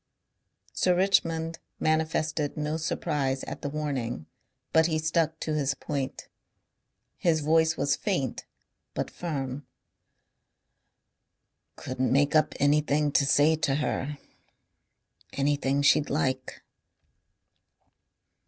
Sir Richmond manifested no surprise at the warning. But he stuck to his point. His voice was faint but firm. "Couldn't make up anything to say to her. Anything she'd like."